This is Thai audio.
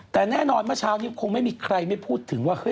แต่แน่นอนเมื่อเช้านี้คงไม่มีใครไม่พูดถึงว่า